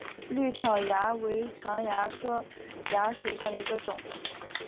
葎草蚜为常蚜科蚜属下的一个种。